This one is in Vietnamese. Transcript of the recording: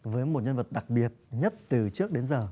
với một nhân vật đặc biệt nhất từ trước đến giờ